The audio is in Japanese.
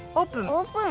オープン！